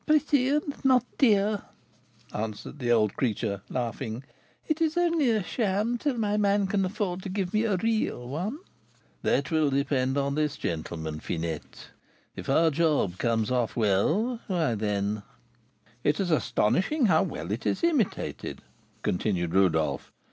"Pretty, and not dear," answered the old creature, laughing. "It is only a sham till my man can afford to give me a real one." "That will depend on this gentleman, Finette. If our job comes off well, why then " "It is astonishing how well it is imitated," continued Rodolph.